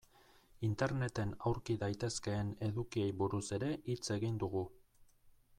Interneten aurki daitezkeen edukiei buruz ere hitz egin dugu.